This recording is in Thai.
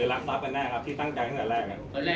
เพราะว่าจะเสียชีวิตโดย